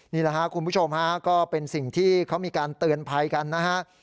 นี่แหละครับคุณผู้ชมฮะก็เป็นสิ่งที่เขามีการเตือนภัยกันนะฮะ